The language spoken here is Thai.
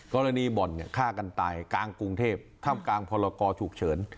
กรณีบ่อนเนี้ยฆ่ากันตายกลางกรุงเทพฯคร่ำกลางพรกรฉุกเฉิน